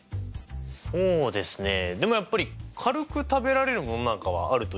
そうですねでもやっぱり軽く食べられるものなんかはあるといいですよね。